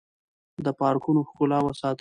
د پارکونو ښکلا وساتئ.